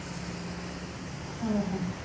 草の本です。